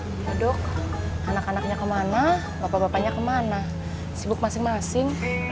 dia dok anak anaknya kemana bapak bapaknya kemana sibuk masing masing